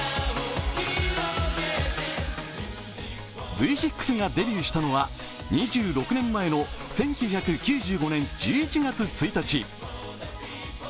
Ｖ６がデビューしたのは２６年前の１９９５年１１月１日。